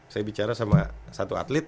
saya bicara sama satu atlet